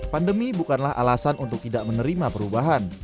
pandemi bukanlah alasan untuk tidak menerima perubahan